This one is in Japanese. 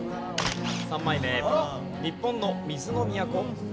３枚目日本の水の都！？